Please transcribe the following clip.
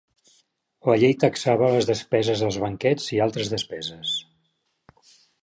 La llei taxava les despeses dels banquets i altres despeses.